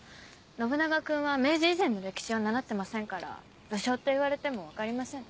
信長君は明治以前の歴史は習ってませんから武将って言われても分かりません。